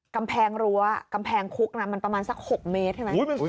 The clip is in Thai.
กำแพงรั้วกำแพงคุกนะมันประมาณสัก๖เมตรใช่ไหม